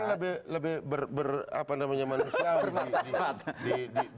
kan lebih berapa namanya manusia